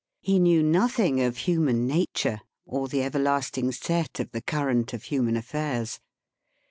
He knew nothing of human nature, or the everlasting set of the current of human aifairs.